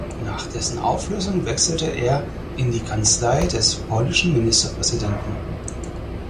Nach dessen Auflösung wechselte er in die Kanzlei des polnischen Ministerpräsidenten.